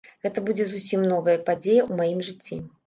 Гэта будзе зусім новая падзея ў маім жыцці.